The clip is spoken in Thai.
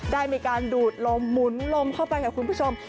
ได้มีการดูดลมหมุนลมเข้าไปค่ะคุณผู้ชม